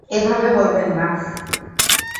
এভাবে বলবেন না।